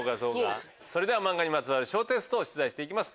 それでは漫画にまつわる小テスト出題していきます。